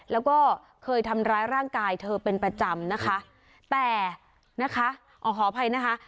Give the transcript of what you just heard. แล้วก็เคยทำร้ายร่างกายเธอเป็นประจำนะคะแต่นะคะอ๋อขออภัยนะคะ